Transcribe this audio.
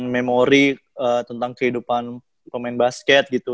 memori tentang kehidupan pemain basket gitu